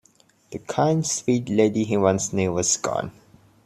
The kind, sweet lady he once knew was gone.